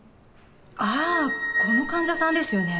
ああこの患者さんですよね。